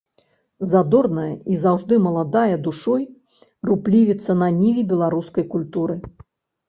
Задорная і заўжды маладая душой руплівіца на ніве беларускай культуры.